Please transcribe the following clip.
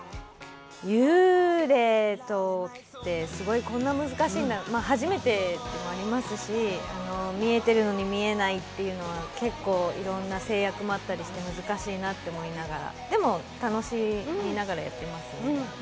幽霊ってすごいこんな難しいんだ、初めてというのもありますし見えてるのに見えないっていうのは結構、いろんな制約もあったりして難しいなと思いながら、でも、楽しみながらやっていますね。